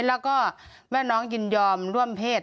แล้วก็แม่น้องยินยอมร่วมเพศ